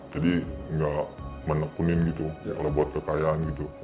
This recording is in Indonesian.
jadi nggak menekunin gitu kalau buat kekayaan gitu